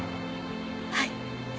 はい。